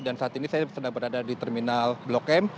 dan saat ini saya sedang berada di terminal blok m